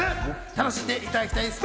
楽しんでいただきたいですね。